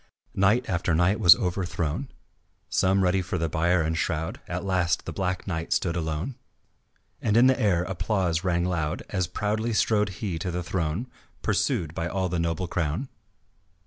Knight after knight was overthrown, Some ready for the bier and shroud, At last the black knight stood alone And in the air applause rang loud As proudly strode he to the throne Pursued by all the noble crowd.